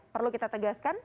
perlu kita tegaskan